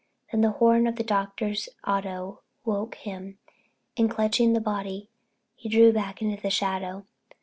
Then the horn of the Doctor's auto woke him and, clutching the body, he drew back into the shadow.